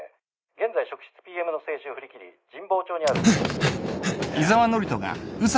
現在職質ＰＭの制止を振り切り神保町にある。